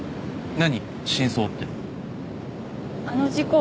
何？